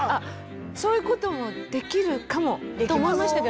そういうこともできるかもと思いましたけど。